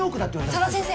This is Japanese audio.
佐田先生